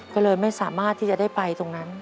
ก็เลยไม่สามารถที่จะได้ไปตรงนั้น